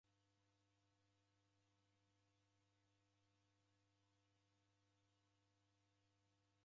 W'utawala ndoghudimagha kufuma chashighadi.